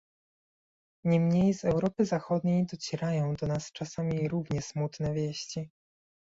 Niemniej z Europy Zachodniej docierają do nas czasami równie smutne wieści